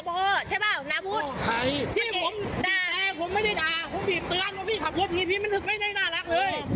ผมปีนเตือนว่าพี่ขับรถมันไม่ได้น่ารักเลย